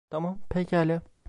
Tamam, pekâlâ.